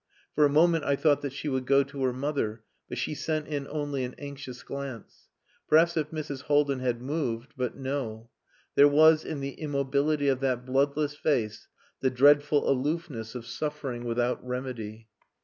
For a moment I thought that she would go to her mother, but she sent in only an anxious glance. Perhaps if Mrs. Haldin had moved...but no. There was in the immobility of that bloodless face the dreadful aloofness of suffering without remedy.